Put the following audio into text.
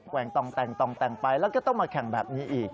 วงต้องแต่งต่องแต่งไปแล้วก็ต้องมาแข่งแบบนี้อีก